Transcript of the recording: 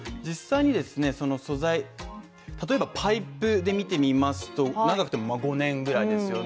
実際にですねその素材、例えばパイプで見てみますと、長くても５年ぐらいですよね